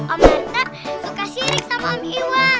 om rt suka sirik sama mami iwan